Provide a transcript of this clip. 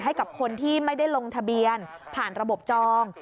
ให้กับคนที่ไม่ได้ลงทะเบียนผ่านระบบจอง